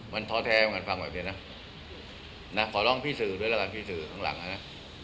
มันท้อแท้เหมือนกันฟังแบบนี้นะขอร้องพี่สื่อด้วยแล้วกันพี่สื่อข้างหลังนะ